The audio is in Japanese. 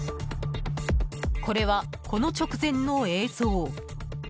これは、この直前の映像。